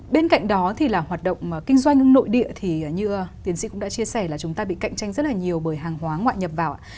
bên cạnh đó thì là hoạt động kinh doanh nội địa thì như tiến sĩ cũng đã chia sẻ là chúng ta bị cạnh tranh rất là nhiều bởi hàng hóa ngoại nhập vào ạ